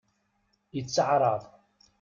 Itteɛṛaḍ.